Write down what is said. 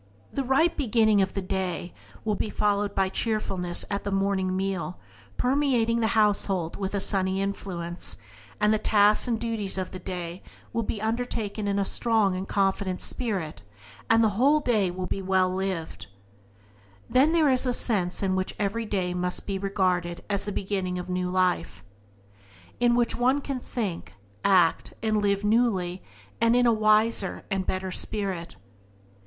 Byways to Blessedness by James Allen 6 The right beginning of the day will be followed by cheerfulness at the morning meal, permeating the household with a sunny influence; and the tasks and duties of the day will be undertaken in a strong and confident spirit, and the whole day will be well lived. Then there is a sense in which every day may be regarded as the beginning of a new life, in which one can think, act, and live newly, and in a wiser and better spirit.